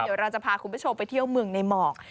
เดี๋ยวเราจะพาคุณผู้ชมไปเที่ยวเมืองในหมอก